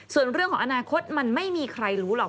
ส่วนเรื่องของอนาคตมันไม่มีใครรู้หรอก